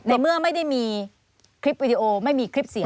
ในเมื่อไม่ได้มีคลิปวิดีโอไม่มีคลิปเสียง